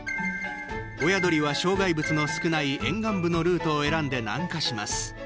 親鳥は、障害物の少ない沿岸部のルートを選んで南下します。